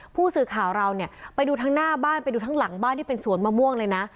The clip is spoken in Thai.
ผู้สื่อข่าวเราเนี่ยไปดูทั้งหน้าบ้านไปดูทั้งหลังบ้านที่เป็นสวนมะม่วงเลยนะ